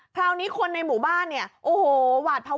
คราวนี้คนในหมู่บ้านเนี่ยโอ้โหหวาดภาวะ